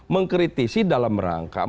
mengkritisi dalam rangka mengusir